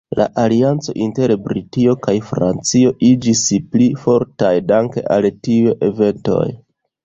La alianco inter Britio kaj Francio iĝis pli fortaj danke al tiuj eventoj.